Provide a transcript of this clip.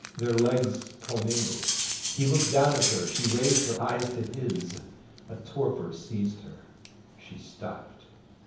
Their legs commingled; he looked down at her; she raised her eyes to his. A torpor seized her; she stopped.